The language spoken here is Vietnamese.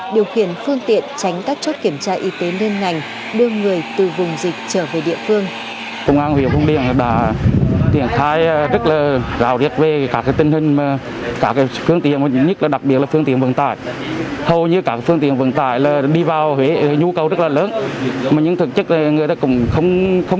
điều khiển phương tiện tránh các chốt kiểm tra y tế lên ngành đưa người từ vùng dịch trở về địa phương